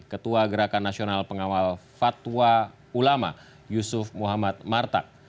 ketua gerakan nasional pengawal fatwa ulama yusuf muhammad martak